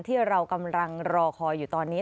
ที่เรากำลังรอคอยอยู่ตอนนี้